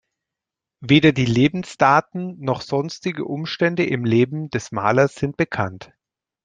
Weder die Lebensdaten noch sonstige Umstände im Leben des Malers sind bekannt.